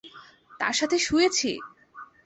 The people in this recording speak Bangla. তার সাথে শুয়েছি!